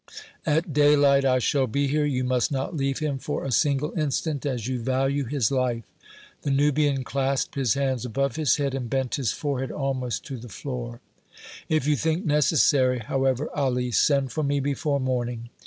At daylight I shall be here. You must not leave him for a single instant as you value his life." The Nubian clasped his hands above his head and bent his forehead almost to the floor. "If you think necessary, however, Ali, send for me before morning."